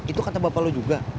itu kata bapak lo juga